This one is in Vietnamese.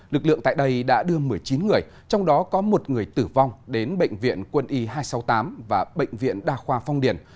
lực lượng tại đây đã đưa một mươi chín người trong đó có một người tử vong đến bệnh viện quân y hai trăm sáu mươi tám và bệnh viện đa khoa phong điền